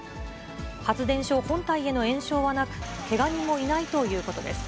発電所本体への延焼はなく、けが人もいないということです。